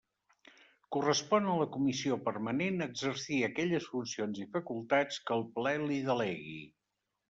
Correspon a la Comissió Permanent exercir aquelles funcions i facultats que el Ple li delegui.